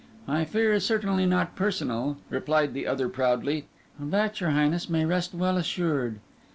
"My fear is certainly not personal," replied the other proudly; "of that your Highness may rest well assured."